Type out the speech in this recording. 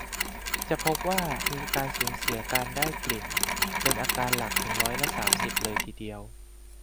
จะพบว่ามีอาการสูญเสียการได้กลิ่นเป็นอาการหลักถึงร้อยละ สามสิบ เลยทีเดียว